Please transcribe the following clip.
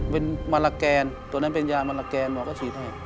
เป็นมะละแกนตัวนั้นเป็นยามะละแกนหมอก็ฉีดให้